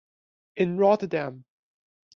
In Rotterdam.